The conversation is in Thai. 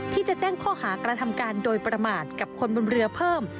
ที่จะแจ้งข้อหากระทำการโดยประมาทกับคนบนเรือเพิ่ม